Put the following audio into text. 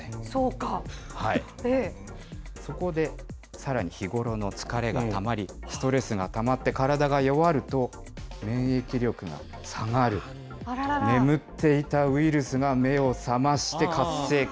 そこで、さらに日頃の疲れがたまり、ストレスがたまって、体が弱ると免疫力が下がる、眠っていたウイルスが目を覚まして活性化。